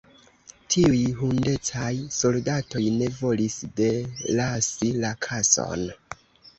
Tiuj hundecaj soldatoj ne volis delasi la kason.